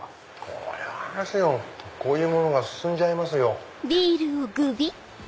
これはあれですよこういうものが進んじゃいますよ。